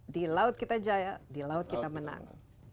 di laut kita jaya di laut kita menang